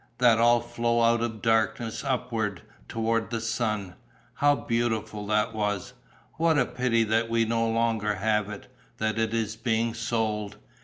That all flowed out of darkness upwards, towards the sun! How beautiful that was! What a pity that we no longer have it, that it is being sold!